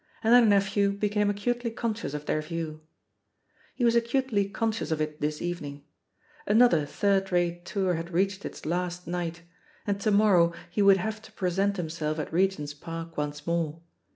And their nephew became acutely conscious of their view. He was acutely conscious of it this evening. Another third rate tour had reached its last night, and to morrow he would have to present himself at Regent's Park once more.